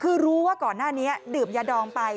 คือรู้ว่าก่อนหน้านี้ดื่มยาดองไป